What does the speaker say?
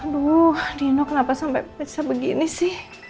aduh dino kenapa sampai bisa begini sih